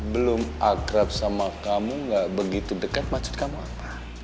belum akrab sama kamu gak begitu dekat macet kamu apa